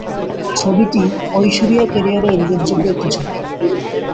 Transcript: ছবিটি ঐশ্বরিয়া ক্যারিয়ারের উল্লেখযোগ্য একটি ছবি।